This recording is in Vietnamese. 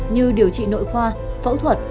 như điều trị nội khoa phẫu thuật